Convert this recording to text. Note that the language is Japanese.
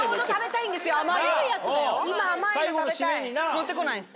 持ってこないです。